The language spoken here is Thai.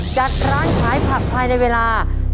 จัดร้านขายผักภายในเวลา